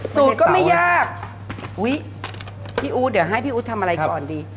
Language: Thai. สูตรก็ไม่ยากอุ๊ยพี่อู๊ดเดี๋ยวให้พี่อู๊ดทำอะไรก่อนดี